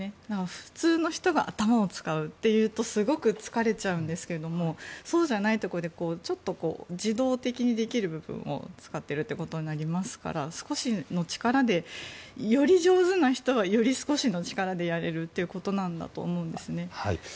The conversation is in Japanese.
普通の人が頭を使うというとすごく疲れちゃうんですがそうじゃないところでちょっと自動的にできる部分を使っているということになりますから、少しの力でより上手な人はより少しの力でやれるということだと思うんですね。